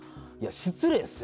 失礼っすよ！